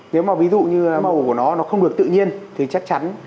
nếu mà ví dụ như màu của nó nó không được tự nhiên thì chắc chắn